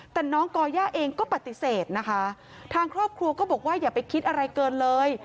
แต่น้องก่อย่าเองก็ปฏิเสธนะคะทางครอบครัวก็บอกว่าอย่าไปคิดอะไรเกินเลย